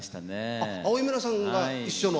あっ青江三奈さんが一緒の。